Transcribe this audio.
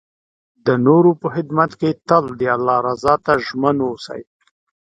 د نور په خدمت کې تل د الله رضا ته ژمن اوسئ.